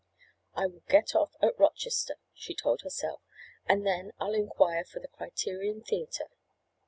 "I will get off at Rochester," she told herself, "and then I'll inquire for the Criterion Theatre."